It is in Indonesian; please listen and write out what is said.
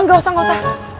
enggak usah gak usah